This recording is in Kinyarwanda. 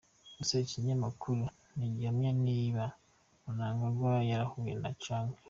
Gusa iki kinyamakuru ntigihamya niba Mnangagwa yarahuye na Chang.